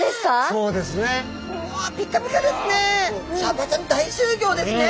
そうですね。